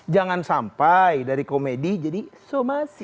jangan sampai dari komedi jadi somasi